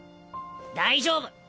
大丈夫。